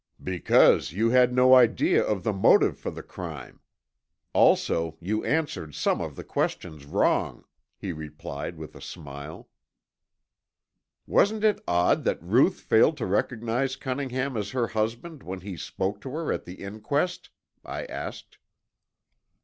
"Because you had no idea of the motive for the crime. Also you answered some of the questions wrong," he replied with a smile. "Wasn't it odd that Ruth failed to recognize Cunningham as her husband when he spoke to her at the inquest?" I asked.